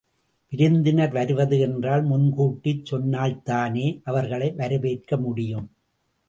விருந்தினர் வருவது என்றால் முன்கூட்டிச் சொன்னால்தானே அவர்களை வரவேற்க முடியும்.